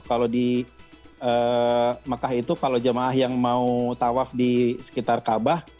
kalau di mekah itu kalau jemaah yang mau tawaf di sekitar kaabah